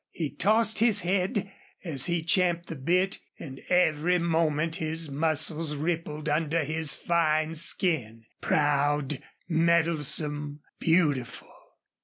He tossed his head as he champed the bit, and every moment his muscles rippled under his fine skin. Proud, mettlesome, beautiful!